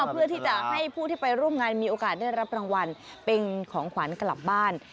เพื่อที่จะให้ผู้ที่ไปร่วมงานมีโอกาสได้รับรางวัลเป็นของขวัญกลับบ้าน